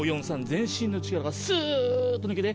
全身の力がスっと抜けて。